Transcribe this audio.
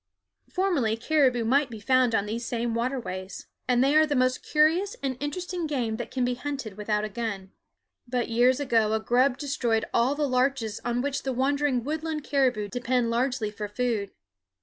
Formerly caribou might be found on these same waterways, and they are the most curious and interesting game that can be hunted without a gun; but years ago a grub destroyed all the larches on which the wandering woodland caribou depend largely for food.